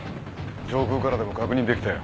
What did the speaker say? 上空からでも確認できたよ。